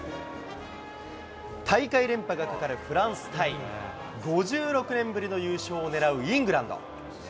大会連覇がかかるフランス対、５６年ぶりの優勝をねらうイングランド。